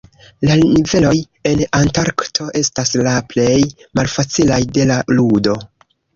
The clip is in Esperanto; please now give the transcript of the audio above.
La niveloj en Antarkto estas la plej malfacilaj de la ludo.